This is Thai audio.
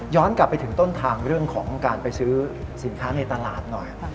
กลับไปถึงต้นทางเรื่องของการไปซื้อสินค้าในตลาดหน่อย